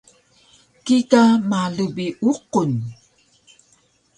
kika malu bi uqun